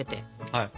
はい。